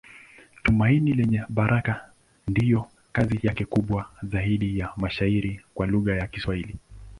Tumaini Lenye Baraka ndiyo kazi yake kubwa zaidi ya mashairi kwa lugha ya Kiswahili.